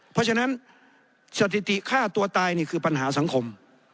เพราะฉะนั้นสถิติฆ่าตัวตายนี่คือปัญหาสังคม